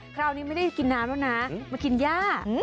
คราวนี้ไม่ได้กินน้ำแล้วนะมากินย่า